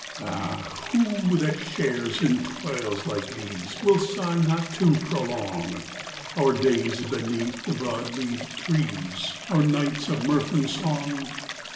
Ah, who that shares in toils like these Will sigh not to prolong Our days beneath the broad leaved trees, Our nights of mirth and song?